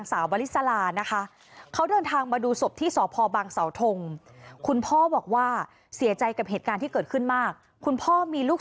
สาววลิสลานะคะเขาเดินทางมาดูศพที่สพบังเสาทงคุณพ่อบอกว่าเสียใจกับเหตุการณ์ที่เกิดขึ้นมากคุณพ่อมีลูก